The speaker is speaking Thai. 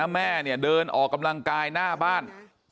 แม่เนี่ยเดินออกกำลังกายหน้าบ้าน